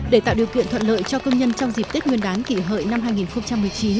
để tạo điều kiện thuận lợi cho công nhân trong dịp tết nguyên đán kỷ hợi năm hai nghìn một mươi chín